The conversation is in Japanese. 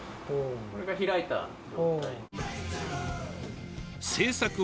これが開いた状態。